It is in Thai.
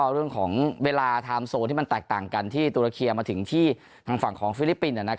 เรื่องของเวลาไทม์โซนที่มันแตกต่างกันที่ตุรเคียมาถึงที่ทางฝั่งของฟิลิปปินส์